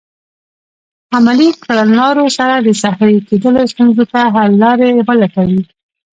عملي کړنلارو سره د صحرایې کیدلو ستونزو ته حل لارې ولټوي.